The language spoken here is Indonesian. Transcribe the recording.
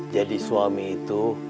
jadi suami itu